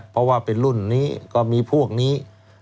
เพราะว่าเป็นรุ่นนี้ก็มีพวกนี้